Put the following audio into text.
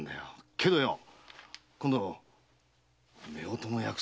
けどよ今度夫婦の約束したんだ。